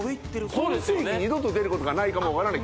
今世紀二度と出ることがないかも分からない